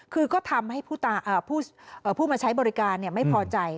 คือก็ทำให้ผู้มาใช้บริการไม่พอใจ